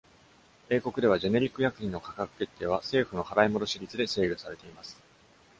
英国では、ジェネリック薬品の価格決定は政府の払戻率で制御されています。